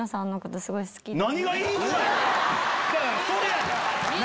それやねん！